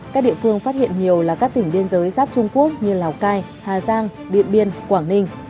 các địa phương phát hiện nhiều là các tỉnh biên giới giáp trung quốc như lào cai hà giang điện biên quảng ninh